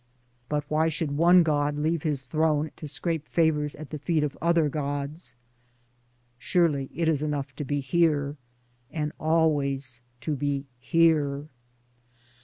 But why should one god leave his throne to scrape favors at the feet of other gods ? Surely it is enough to be here — and always to be Here.